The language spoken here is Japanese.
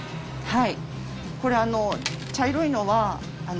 はい。